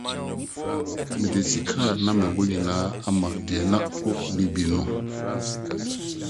Mede sika a na mewɔ nyinaa maa nea na onni bi no.